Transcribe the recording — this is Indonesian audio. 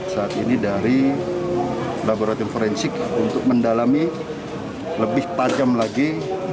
saat ini dari laboratorium forensik untuk mendalami lebih tajam lagi